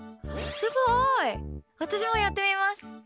すごい、私もやってみます！